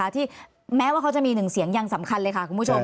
ที่แม้ว่าเขาจะมีหนึ่งเสียงยังสำคัญเลยค่ะคุณผู้ชม